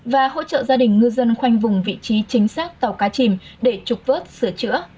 và hỗ trợ gia đình ngư dân khoanh vùng vị trí chính xác tàu cá chìm để trục vớt sửa chữa